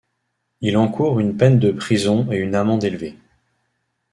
Il encourt une peine de prison et une amende élevée.